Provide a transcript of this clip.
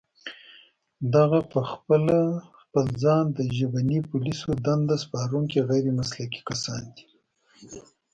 دغه پخپله خپل ځان ته د ژبني پوليسو دنده سپارونکي غير مسلکي کسان دي